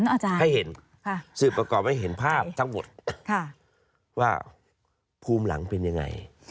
อาจารย์ให้เห็นสืบประกอบให้เห็นภาพทั้งหมดว่าภูมิหลังเป็นยังไง